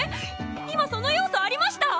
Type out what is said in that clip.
今その要素ありました！？